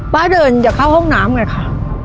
ป้าเดินอย่าเข้าห้องน้ำเลยค่ะ